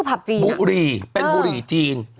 อัลบุรีเป็นอัลบุรีจีน